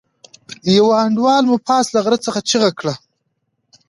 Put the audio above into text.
يوه انډيوال مو پاس له غره څخه چيغه کړه.